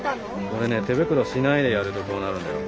これね手袋しないでやるとこうなるんだよ。